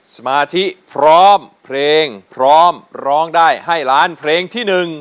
สมาธิพร้อมเพลงพร้อมร้องได้ให้ล้านเพลงที่๑